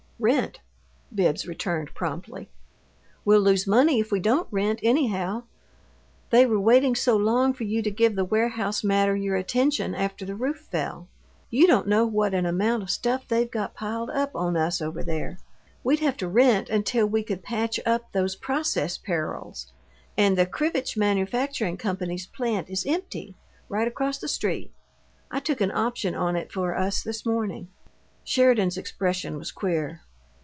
"Rent," Bibbs returned, promptly. "We'll lose money if we don't rent, anyhow they were waiting so long for you to give the warehouse matter your attention after the roof fell. You don't know what an amount of stuff they've got piled up on us over there. We'd have to rent until we could patch up those process perils and the Krivitch Manufacturing Company's plant is empty, right across the street. I took an option on it for us this morning." Sheridan's expression was queer.